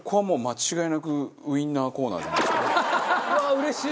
うれしい！